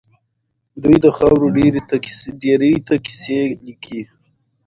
دوی د خاورو ډېري ته کيسې ليکي.